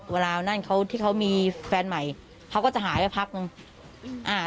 เวลานั้นที่เขามีแฟนใหม่เขาก็จะหายไปพักนึง